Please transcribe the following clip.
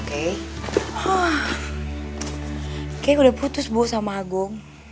kayaknya udah putus bu sama agung